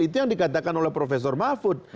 itu yang dikatakan oleh prof mahfud